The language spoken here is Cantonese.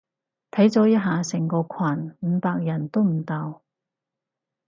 睇咗一下成個群，五百人都唔到